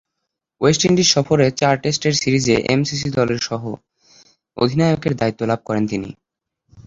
West Indies সফরে চার টেস্টের সিরিজে এমসিসি দলের সহঃ অধিনায়কের দায়িত্ব লাভ করেন তিনি।